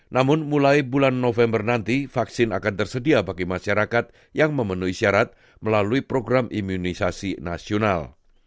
namun mulai bulan november nanti vaksin akan tersedia bagi masyarakat yang memenuhi syarat melalui program imunisasi nasional